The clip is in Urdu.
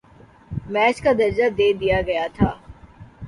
میچ کا درجہ دے دیا گیا تھا